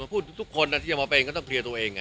พูดทุกคนที่จะมาเป็นก็ต้องเคลียร์ตัวเอง